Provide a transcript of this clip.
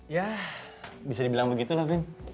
ya bisa dibilang begitulah bin